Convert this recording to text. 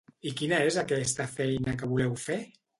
I quina és aquesta feina que voleu fer?